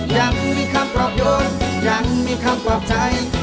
ยังมีคำปรอบโยนยังมีคำปลอบใจ